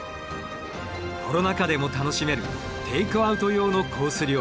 コロナ禍でも楽しめるテイクアウト用のコース